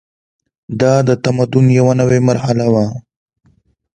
دا د تمدن یوه نوې مرحله وه.